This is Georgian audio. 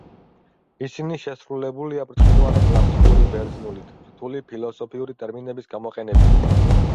ისინი შესრულებულია ბრწყინვალე კლასიკური ბერძნულით, რთული ფილოსოფიური ტერმინების გამოყენებით.